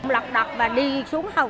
lọc đọc và đi xuống hầu tám